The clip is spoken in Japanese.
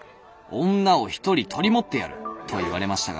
『女を一人取り持ってやる』と言われましたが」。